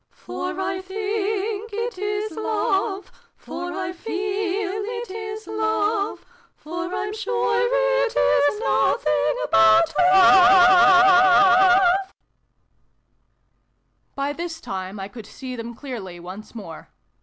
307 " For I think it is Love, For I feel it is Love, For Pm sure it is notJiing but Love!" By this time I could see them clearly once more.